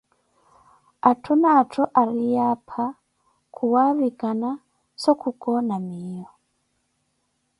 atthu na atthu ariiye apha kuwaavikhana so khukoona miiyo.